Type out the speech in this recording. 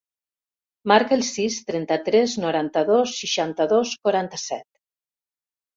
Marca el sis, trenta-tres, noranta-dos, seixanta-dos, quaranta-set.